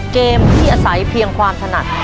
เกมที่อาศัยเพียงความถนัด